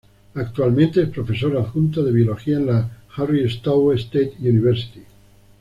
Actualmente, es profesor adjunto de biología en la Harris-Stowe State University.